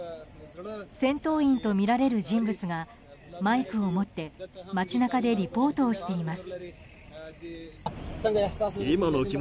戦闘員とみられる人物がマイクを持って街中でリポートをしています。